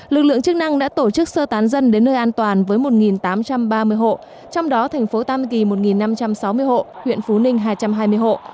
lực lượng chức năng đã tổ chức sơ tán dân đến nơi an toàn với một tám trăm ba mươi hộ trong đó thành phố tam kỳ một năm trăm sáu mươi hộ huyện phú ninh hai trăm hai mươi hộ